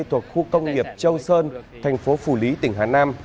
thuộc khu công nghiệp châu sơn thành phố phủ lý tỉnh hà nam